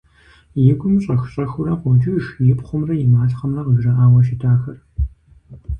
И гум щӀэх-щӀэхыурэ къокӀыж и пхъумрэ и малъхъэмрэ къыжраӀауэ щытахэр.